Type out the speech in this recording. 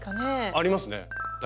ありますね大体。